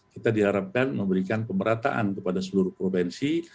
kita diharapkan memberikan pemerataan kepada seluruh provinsi